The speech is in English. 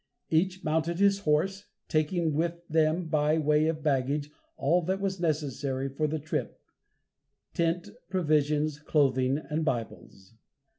Each mounted his horse, taking with them by way of baggage all that was necessary for the trip, tent, provisions, clothing and Bibles.